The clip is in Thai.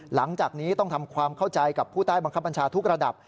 หลังจากนี้ต้องทำความเข้าใจกับผู้ใต้บังคับบัญชาทุกระดับ